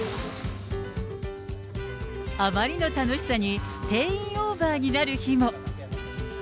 あまりの楽しさに定員オーバーになる日も。